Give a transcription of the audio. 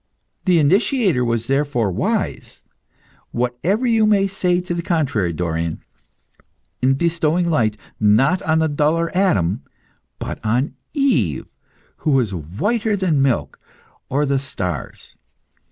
The initiator was therefore wise whatever you may say to the contrary, Dorion in bestowing light, not on the duller Adam, but on Eve, who was whiter than milk or the stars.